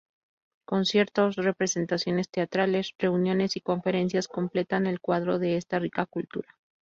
Conciertos, representaciones teatrales, reuniones y conferencias completan el cuadro de esta rica cultura.